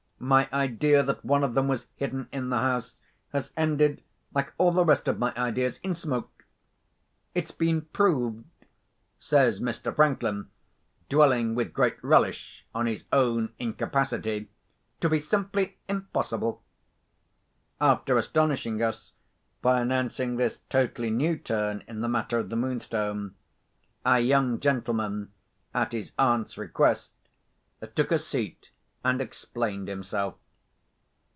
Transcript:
My idea that one of them was hidden in the house has ended, like all the rest of my ideas, in smoke. It's been proved," says Mr. Franklin, dwelling with great relish on his own incapacity, "to be simply impossible." After astonishing us by announcing this totally new turn in the matter of the Moonstone, our young gentleman, at his aunt's request, took a seat, and explained himself.